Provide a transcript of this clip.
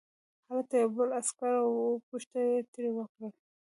هلته یو بل عسکر و او پوښتنه یې ترې وکړه